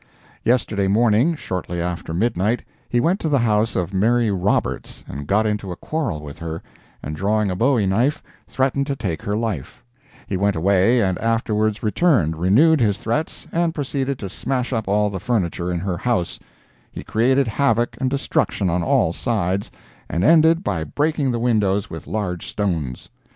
Yesterday morning, shortly after midnight, he went to the house of Mary Roberts and got into a quarrel with her, and drawing a Bowie knife, threatened to take her life; he went away, and afterwards returned, renewed his threats, and proceeded to smash up all the furniture in her house; he created havoc and destruction on all sides, and ended by breaking the windows with large stones.